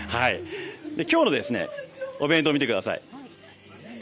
今日のお弁当を見てください。